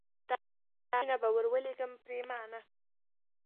تعویذونه به ور ولیکم پرېمانه